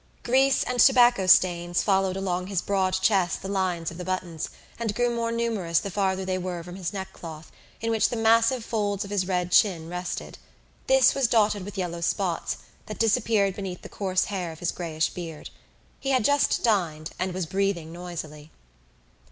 Grease and tobacco stains followed along his broad chest the lines of the buttons, and grew more numerous the farther they were from his neckcloth, in which the massive folds of his red chin rested; this was dotted with yellow spots, that disappeared beneath the coarse hair of his greyish beard. He had just dined and was breathing noisily.